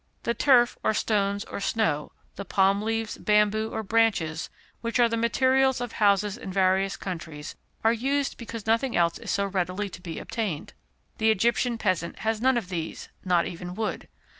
The turf, or stones, or snow the palm leaves, bamboo, or branches, which are the materials of houses in various countries, are used because nothing else is so readily to be obtained. The Egyptian peasant has none of these, not even wood.